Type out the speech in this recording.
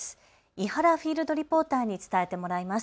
伊原フィールドリポーターに伝えてもらいます。